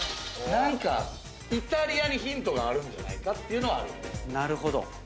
なんか、イタリアにヒントがあるんじゃないかっていうのはある。